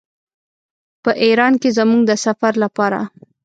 په ایران کې زموږ د سفر لپاره.